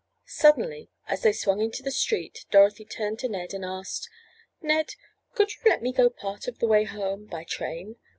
Suddenly, as they swung into the street, Dorothy turned to Ned and asked: "Ned, could you let me go part of the way home, by train?